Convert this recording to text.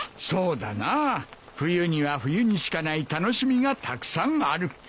そうだな冬には冬にしかない楽しみがたくさんある。